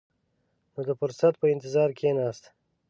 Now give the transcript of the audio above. نو د فرصت په انتظار کښېناست.